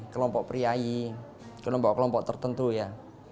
kelompok priai kelompok kelompok tertentu ya